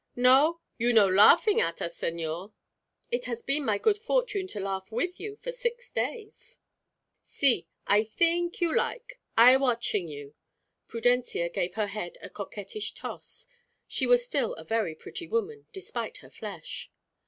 "No? You no laughing at us, señor?" "It has been my good fortune to laugh with you for six days." "Si: I theenk you like. I watching you." Prudencia gave her head a coquettish toss. She was still a very pretty woman, despite her flesh.